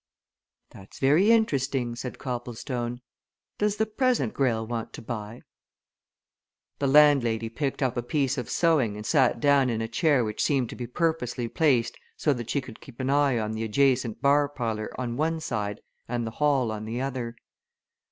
"That's very interesting," said Copplestone. "Does the present Greyle want to buy?" The landlady picked up a piece of sewing and sat down in a chair which seemed to be purposely placed so that she could keep an eye on the adjacent bar parlour on one side and the hall on the other.